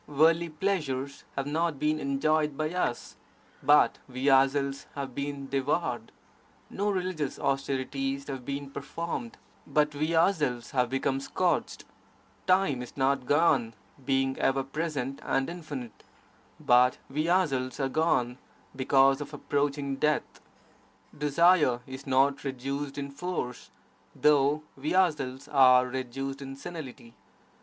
Worldly pleasures have not been enjoyed by us, but we ourselves have been devoured; no religious austerities have been performed, but we ourselves have become scorched; time is not gone (being ever present and infinite), but we ourselves are gone (because of approaching death). Desire is not reduced in force, though we ourselves are reduced to senility.